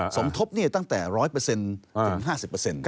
สมทบตั้งแต่๑๐๐ถึง๕๐